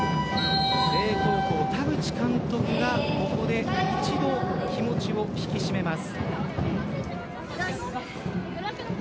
誠英高校・田渕監督がここで一度、気持ちを引き締めます。